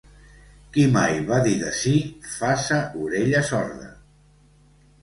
Qui mal va dir de si, faça orella sorda.